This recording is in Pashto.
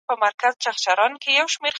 ذمي په اسلامي نظام کي د ورور په څېر دی.